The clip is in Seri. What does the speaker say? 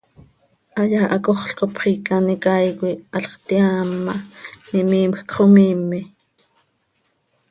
Hayaa cacoxl cop xiica an icaai coi halx teaam ma, imiimjc xo miime.